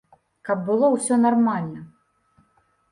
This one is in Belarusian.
Каб было ўсё нармальна.